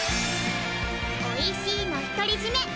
おいしいの独り占め